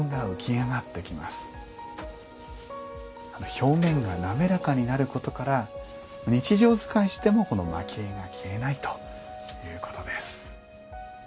表面が滑らかになることから日常使いしてもこの蒔絵が消えないということです。